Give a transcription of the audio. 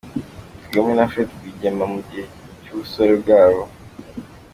Kagame na Fred Rwigema mu gihe cy'ubusore bwabo.